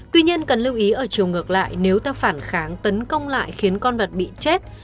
tuy nhiên cần lưu ý ở chiều ngược lại nếu ta phản kháng tấn công lại khiến con vật bị chết